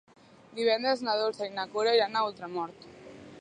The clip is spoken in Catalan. Divendres na Dolça i na Cora iran a Ultramort.